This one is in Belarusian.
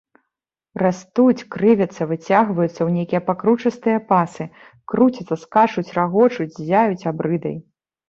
Растуць, крывяцца, выцягваюцца ў нейкія пакручастыя пасы, круцяцца, скачуць, рагочуць, ззяюць абрыдай.